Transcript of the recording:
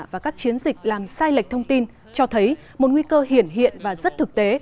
và các chiến dịch làm sai lệch thông tin cho thấy một nguy cơ hiển hiện và rất thực tế